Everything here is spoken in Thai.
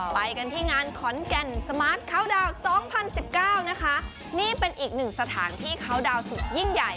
ไปกันที่งานขอนแก่นสมาร์ทเข้าดาวน์๒๐๑๙นะคะนี่เป็นอีกหนึ่งสถานที่เขาดาวนสุดยิ่งใหญ่